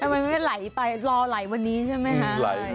ทำไมไม่ให้ไหลไปรอยไหลวันนี้ใช่ไหมคะ